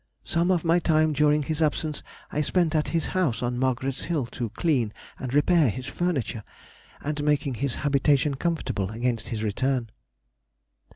_—Some of my time during his absence I spent at his house on Margaret's Hill to clean and repair his furniture, and making his habitation comfortable against his return.